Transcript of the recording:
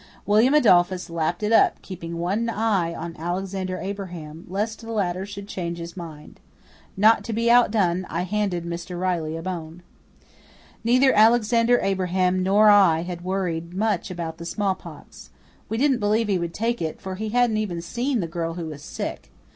William Adolphus lapped it up, keeping one eye on Alexander Abraham lest the latter should change his mind. Not to be outdone, I handed Mr. Riley a bone. Neither Alexander Abraham nor I had worried much about the smallpox. We didn't believe he would take it, for he hadn't even seen the girl who was sick.